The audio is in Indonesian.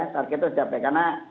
target itu dicapai karena